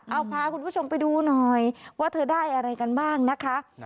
เอาพาคุณผู้ชมไปดูหน่อยว่าเธอได้อะไรกันบ้างนะคะ